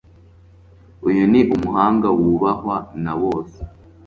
Uyu ni umuhanga wubahwa na bose.